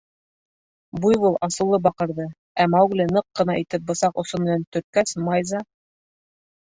— Буйвол асыулы баҡырҙы, ә Маугли ныҡ ҡына итеп бысаҡ осо менән төрткәс, Майза: